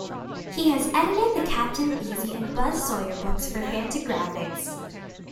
He has edited the Captain Easy and Buz Sawyer books for Fantagraphics.